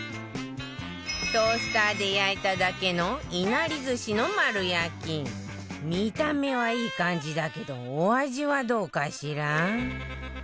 トースターで焼いただけの見た目はいい感じだけどお味はどうかしら？